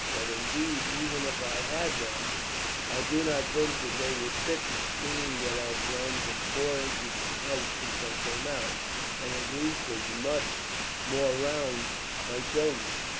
But indeed, even if I had them, I do not think that they would fit me; seeing that I have grown some four inches in height since I came out, and at least as much more round my shoulders."